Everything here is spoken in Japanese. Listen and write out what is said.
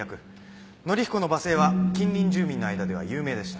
憲彦の罵声は近隣住民の間では有名でした。